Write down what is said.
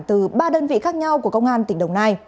từ ba đơn vị khác nhau của công an